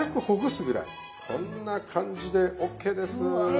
こんな感じでＯＫです。